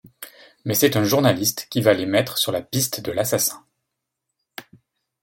Mais c'est un journaliste qui va les mettre sur la piste de l'assassin.